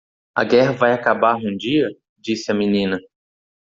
"A guerra vai acabar um dia?" disse a menina.